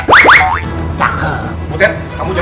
kalau mereka keluar takutlah